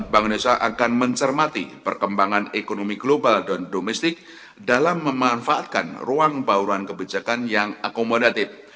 bank indonesia akan mencermati perkembangan ekonomi global dan domestik dalam memanfaatkan ruang bauran kebijakan yang akomodatif